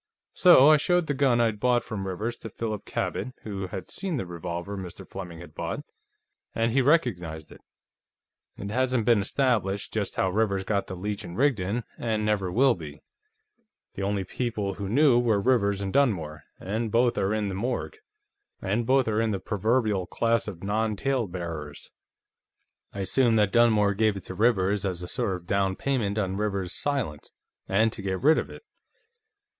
So I showed the gun I'd bought from Rivers to Philip Cabot, who had seen the revolver Mr. Fleming had bought, and he recognized it. It hasn't been established just how Rivers got the Leech & Rigdon, and never will be; the only people who knew were Rivers and Dunmore, and both are in the proverbial class of non talebearers. I assume that Dunmore gave it to Rivers as a sort of down payment on Rivers's silence, and to get rid of it.